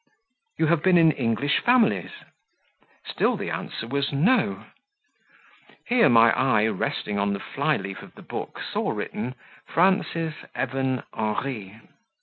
"You have been in English families?" Still the answer was "No." Here my eye, resting on the flyleaf of the book, saw written, "Frances Evan Henri."